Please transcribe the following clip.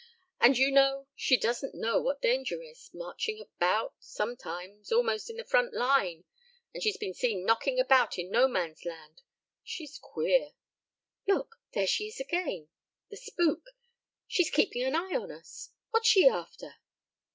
And you know, she doesn't know what danger is; marching about, sometimes, almost in the front line, and she's been seen knocking about in No Man's Land. She's queer." "Look! There she is again. The spook! She's keeping an eye on us. What's she after?"